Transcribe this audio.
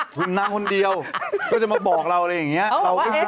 คุณนั่งคนเดียวก็จะมาบอกเราอะไรอย่างนี้